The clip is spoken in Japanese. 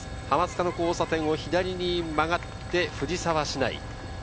浜須賀の交差点を左に曲がって、藤沢市内。